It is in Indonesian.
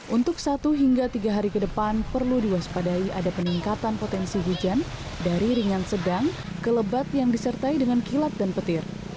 untuk satu hingga tiga hari ke depan perlu diwaspadai ada peningkatan potensi hujan dari ringan sedang ke lebat yang disertai dengan kilat dan petir